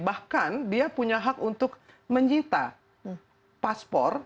bahkan dia punya hak untuk menyita paspor